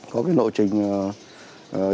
có cái nội trình điều trị